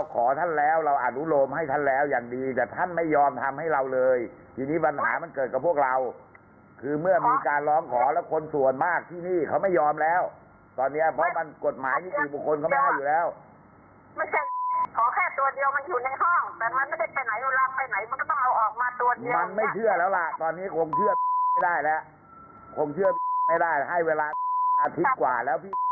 คงเชื่อไม่ได้ให้เวลาอาทิตย์กว่าแล้ว